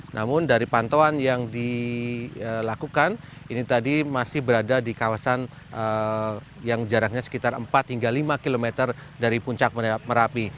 namun dari pantauan yang dilakukan ini tadi masih berada di kawasan yang jaraknya sekitar empat hingga lima km dari puncak merapi